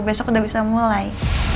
besok udah bisa mulai